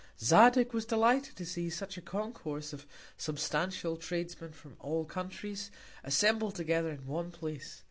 Zadig was delighted to see such a Concourse of substantial Tradesmen from all Countries, assembled together in one Place.